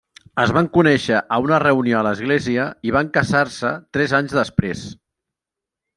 Es van conèixer a una reunió a l'església i van casar-se tres anys després.